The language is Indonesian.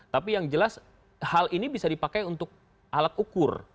tapi yang jelas hal ini bisa dipakai untuk alat ukur